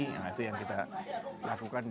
nah itu yang kita lakukan